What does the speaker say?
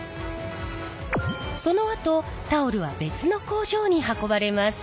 そのあとタオルは別の工場に運ばれます。